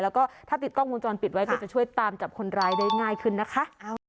แล้วก็ถ้าติดกล้องวงจรปิดไว้ก็จะช่วยตามจับคนร้ายได้ง่ายขึ้นนะคะ